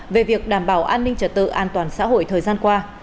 về việc đảm bảo an ninh trật tự an toàn xã hội thời gian qua